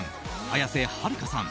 綾瀬はるかさん